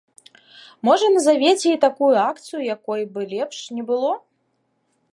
Можа назавеце і такую акцыю, якой бы лепш не было?